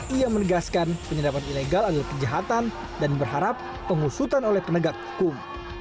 ia menegaskan penyedapan ilegal adalah kejahatan dan berharap pengusutan oleh penegak hukum